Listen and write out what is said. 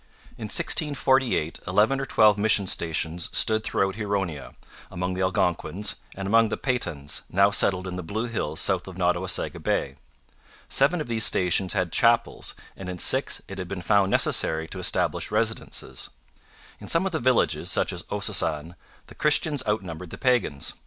In 1648 eleven or twelve mission stations stood throughout Huronia, among the Algonquins, and among the Petuns, now settled in the Blue Hills south of Nottawasaga Bay. Seven of these stations had chapels and in six it had been found necessary to establish residences. In some of the villages, such as Ossossane, the Christians outnumbered the pagans.